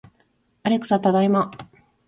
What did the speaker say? アレクサ、ただいま